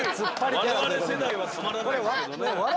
我々世代はたまらないですけどね。